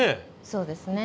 そうですね。